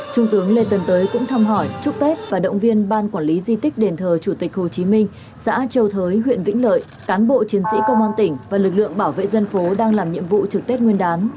trung tướng lê tân tới cũng thăm hỏi chúc tết và động viên ban quản lý di tích đền thờ chủ tịch hồ chí minh xã châu thới huyện vĩnh lợi cán bộ chiến sĩ công an tỉnh và lực lượng bảo vệ dân phố đang làm nhiệm vụ trực tết nguyên đán